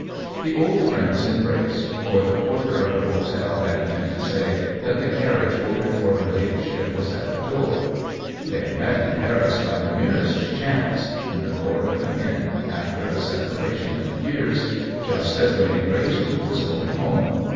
The old friends embraced, for the porter of the hotel had come in to say that the carriage ordered for her ladyship was at the door. They had met in Paris by the merest chance, in the court of an inn, after a separation of years, just as Lady Greys wood was going home.